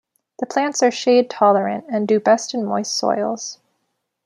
The plants are shade-tolerant and do best in moist soils.